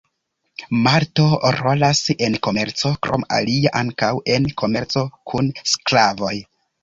Malto rolas en komerco, krom alia ankaŭ en komerco kun sklavoj.